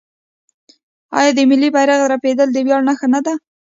آیا د ملي بیرغ رپیدل د ویاړ نښه نه ده؟